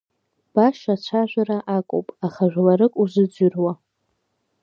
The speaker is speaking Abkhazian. Баша ацәажәара акуп, аха жәларык узыӡрыҩуа…